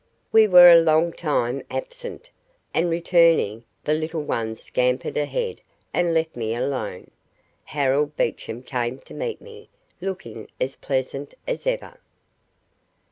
We were a long time absent, and returning, the little ones scampered ahead and left me alone. Harold Beecham came to meet me, looking as pleasant as ever.